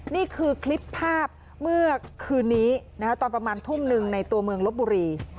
นี่คือคลิปภาพเมื่อคืนนี้ตอนประมาณทุ่มหนึ่งในตัวเมืองลบบุรี